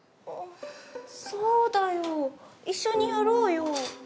そうだよ一緒にやろうよ。